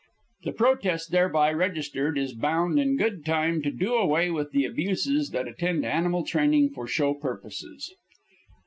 The protest thereby registered is bound, in good time, to do away with the abuses that attend animal training for show purposes.